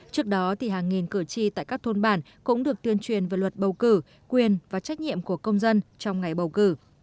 trước đó hàng nghìn cử tri tại các thôn bản cũng được tuyên truyền về luật bầu cử quyền và trách nhiệm của công dân trong ngày bầu cử